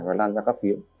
và lan ra các phía